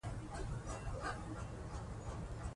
په یاد ولایت کې د مالټو بېلابېل ډولونه کېږي